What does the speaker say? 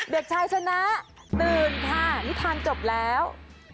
เด็กชายชนะตื่นค่ะนิทานจบแล้ว